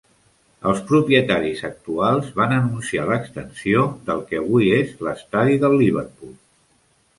Els propietaris actuals van anunciar l'extensió del que avui és l'estadi del Liverpool.